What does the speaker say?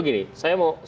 jadi intinya begini